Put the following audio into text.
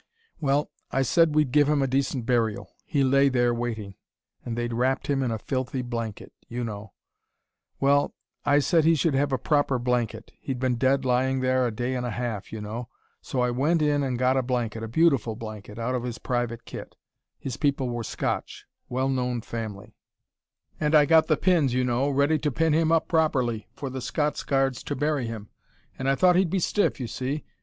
Well, I said we'd give him a decent burial. He lay there waiting and they'd wrapped him in a filthy blanket you know. Well, I said he should have a proper blanket. He'd been dead lying there a day and a half you know. So I went and got a blanket, a beautiful blanket, out of his private kit his people were Scotch, well known family and I got the pins, you know, ready to pin him up properly, for the Scots Guards to bury him. And I thought he'd be stiff, you see.